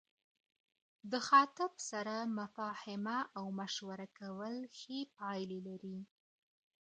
د خاطب سره مفاهمه او مشوره کول ښې پايلي لري